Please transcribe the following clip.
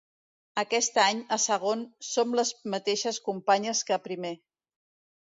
Aquest any, a segon, som les mateixes companyes que a primer.